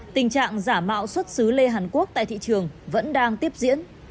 tình trạng giả mạo xuất xứ lê hàn quốc tại thị trường vẫn đang tiếp diễn